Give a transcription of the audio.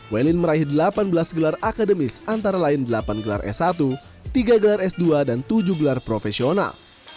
welin meraih delapan belas gelar akademis antara lain delapan gelar s satu tiga gelar s dua dan tujuh gelar profesional